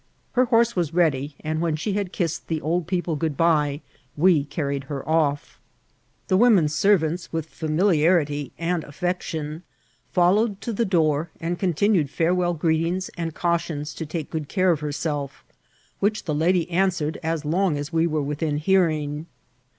Her horse was ready, and when she had kissed the old people good by we carried her off. The women servants, with familiarity S6S INCIBIKTS OF TftATBL. and affection, followed to the door, and continned fare well greetings and cautions to take good care of her self, which the lady answered as long as we were within hearing.